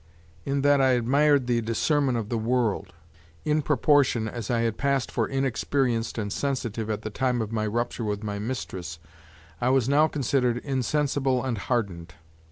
In that I admired the discernment of the world: in proportion as I had passed for inexperienced and sensitive at the time of my rupture with my mistress, I was now considered insensible and hardened.